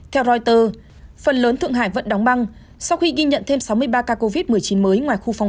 theo reuters phần lớn thượng hải vẫn đóng băng sau khi ghi nhận thêm sáu mươi ba ca covid một mươi chín mới ngoài khu phóng